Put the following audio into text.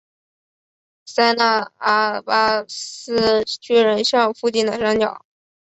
塞那阿巴斯巨人像附近的山脚。